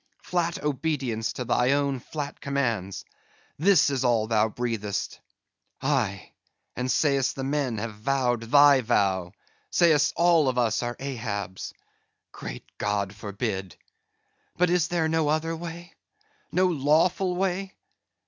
Flat obedience to thy own flat commands, this is all thou breathest. Aye, and say'st the men have vow'd thy vow; say'st all of us are Ahabs. Great God forbid!—But is there no other way? no lawful way?